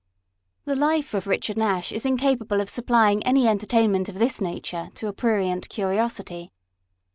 The life of Richard Nash is incapable of supplying any entertainment of this nature to a prurient curiosity.